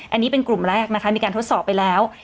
อันนี้เป็นกลุ่มแรกนะคะมีการทดสอบไปแล้ว